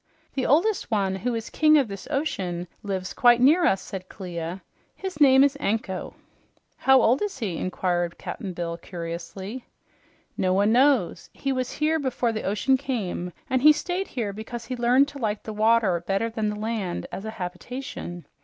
"The oldest one, who is king of this ocean, lives quite near us," said Clia. "His name is Anko." "How old is he?" inquired Cap'n Bill curiously. "No one knows. He was here before the ocean came, and he stayed here because he learned to like the water better than the land as a habitation.